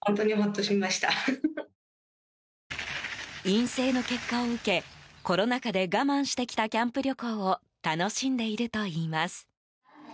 陰性の結果を受けコロナ禍で我慢してきたキャンプ旅行を楽しんでいるといいます。